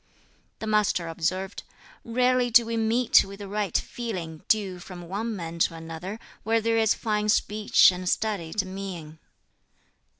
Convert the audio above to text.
The Master observed, "Rarely do we meet with the right feeling due from one man to another where there is fine speech and studied mien."